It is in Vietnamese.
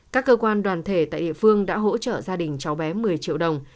các cơ quan đoàn thể tại địa phương đã hỗ trợ gia đình cháu bé một mươi triệu đồng